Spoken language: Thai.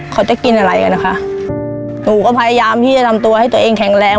เขาจะกินอะไรกันนะคะหนูก็พยายามที่จะทำตัวให้ตัวเองแข็งแรง